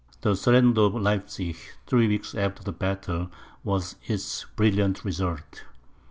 The surrender of Leipzig, three weeks after the battle, was its brilliant result.